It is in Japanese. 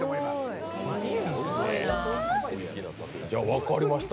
分かりました。